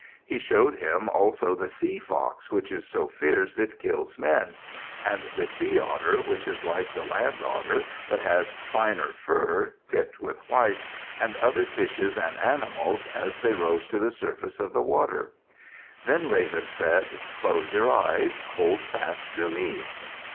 He showed him also the sea fox, which is so fierce it kills men; and the sea otter, which is like the land otter but has finer fur, tipped with white, and other fishes and animals as they rose to the surface of the water. Then Raven said, "Close your eyes. Hold fast to me."